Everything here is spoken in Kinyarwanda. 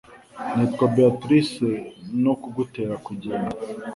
Nitwa Beatrice no kugutera kugenda